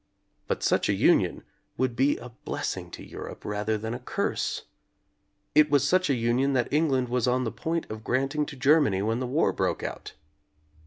But such a union would be a blessing to Europe rather than a curse. It was such a union that England was on the point of granting to Germany when the war broke out.